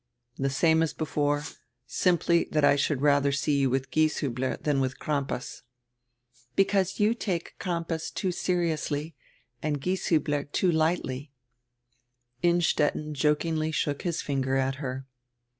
"The same as before, simply tirat I should rather see you with Gieshiibler than with Cranrpas." "Because you take Cranrpas too seriously and Gies hubler too lightly." Innstetten jokingly shook his finger at her.